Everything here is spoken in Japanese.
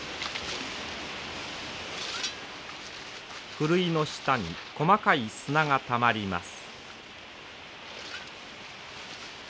ふるいの下に細かい砂がたまります。